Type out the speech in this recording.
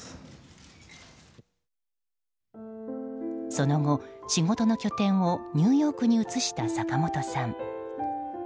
その後、仕事の拠点をニューヨークに移した坂本さん。